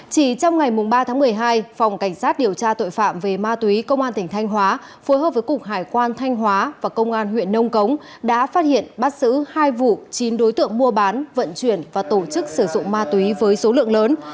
chỉ trong ngày ba tháng một mươi hai phòng cảnh sát điều tra tội phạm về ma túy công an tỉnh thanh hóa phối hợp với cục hải quan thanh hóa và công an huyện nông cống đã phát hiện bắt xử hai vụ chín đối tượng mua bán vận chuyển và tổ chức sử dụng ma túy với số lượng lớn